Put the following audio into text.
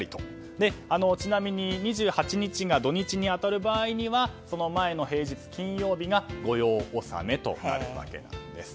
ちなみに２８日が土日に当たる場合にはその前の平日金曜日が御用納めとなるわけです。